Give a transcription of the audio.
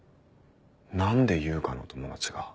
何で悠香の友達が？